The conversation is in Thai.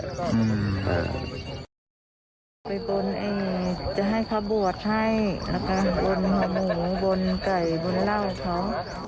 เขาไปบนไอ้จะให้ข้าบวชให้นะคะบนห่วงหมูบนไก่บนเล่าเขา